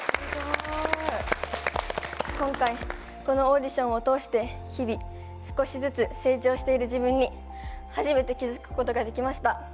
今回、このオーディションを通して、日々少しずつ成長している自分に初めて気付くことができました。